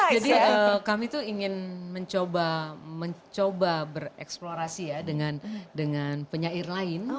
jadi kami tuh ingin mencoba mencoba bereksplorasi ya dengan dengan penyair lain